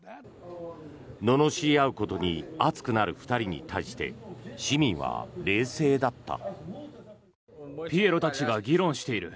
ののしり合うことに熱くなる２人に対して市民は冷静だった。